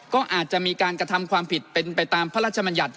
ก็อาจจะมีการกระทำความผิดเป็นไปตามพระราชมัญญัติ